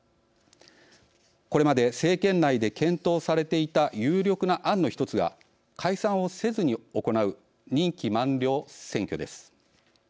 これまで政権内で検討されていた有力な案の一つが解散をせずに行う任期満了選挙です。